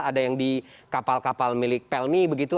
ada yang di kapal kapal milik pelmi begitu